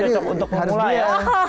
ini cocok untuk memulai ya